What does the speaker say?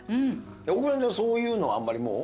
大久保さんそういうのはあんまりもう？